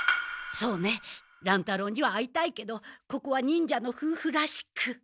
そうね乱太郎には会いたいけどここは忍者のふうふらしく。